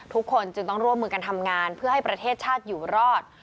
ทุกคนจึงต้องร่วมมือกันทำงานเพื่อให้ประเทศชาติอยู่รอด